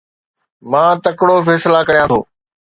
مان تڪڙو فيصلا ڪريان ٿو